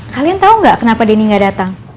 kalian tau gak kenapa denny gak dateng